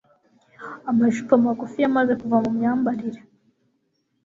Amajipo magufi yamaze kuva mu myambarire.